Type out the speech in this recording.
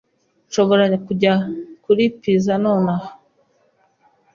Nshobora kujya kuri pizza nonaha.